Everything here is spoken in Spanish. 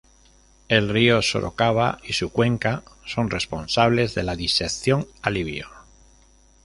El río Sorocaba y su cuenca son responsables de la disección alivio.